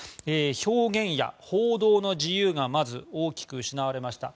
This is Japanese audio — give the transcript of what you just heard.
表現や報道の自由がまず大きく失われました。